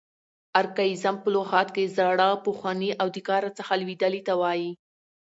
ارکاییزم په لغت کښي زاړه، پخواني او د کاره څخه لوېدلي ته وایي.